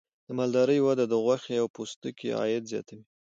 د مالدارۍ وده د غوښې او پوستکي عاید زیاتوي.